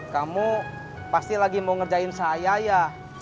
kamu pasti lagi mau ngerjain saya ya